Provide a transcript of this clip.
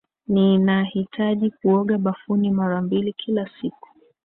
Ninahitaji kuoga bafuni mara mbili kila siku.